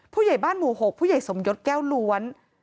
ผู้ใหญ่บ้านหมู่๖ผู้ใหญ่สมยศแก้วล้วน